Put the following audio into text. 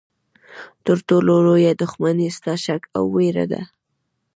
تر ټولو لویه دښمني ستا شک او ویره ده.